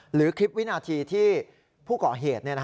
หรือคลิปวินาทีที่ผู้ก่อเหตุ